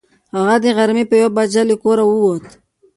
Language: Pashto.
هغه د غرمې په یوه بجه له کوره ووت.